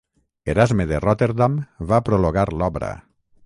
Erasme de Rotterdam va prologar l'obra.